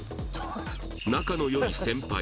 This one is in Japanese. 仲の良い先輩